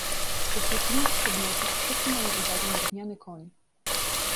"Z pośród innych przedmiotów przykuł moją uwagę drewniany koń."